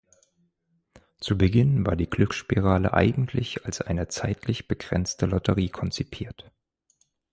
Zu Beginn war die Glücksspirale eigentlich als eine zeitlich begrenzte Lotterie konzipiert.